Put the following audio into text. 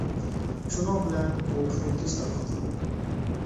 شۇنىڭ بىلەن بۇ كۈي تېز تارقالغان.